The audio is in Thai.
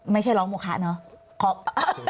ไม่ใช่ร้องโมคะเนาะ